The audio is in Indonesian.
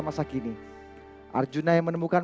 masa kini arjuna yang menemukan